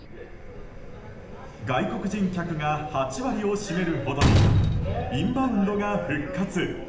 外国人客が８割を占めるほどにインバウンドが復活。